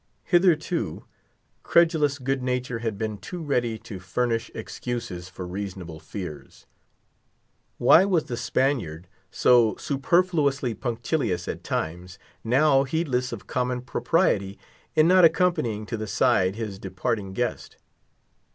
Hitherto, credulous good nature had been too ready to furnish excuses for reasonable fears. Why was the Spaniard, so superfluously punctilious at times, now heedless of common propriety in not accompanying to the side his departing guest?